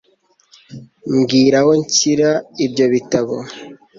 Mbwira aho nshyira ibyo bitabo.